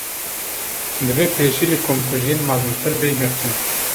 Divê pêşî li komkujiyên mezintir, bê girtin